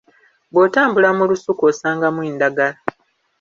Bw’otambula mu lusuku osangamu endagala.